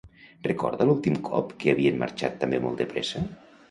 Recorda l'últim cop que havien marxat també molt de pressa?